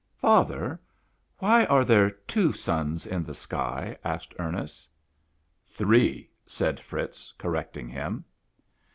"Father, why are there two suns in the sky?" asked Ernest. " Three," said Fritz correcting him.